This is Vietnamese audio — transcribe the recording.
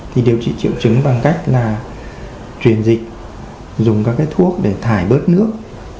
thì điều trị triệu chứng bằng cách là truyền dịch dùng các cái thuốc để thải bớt nước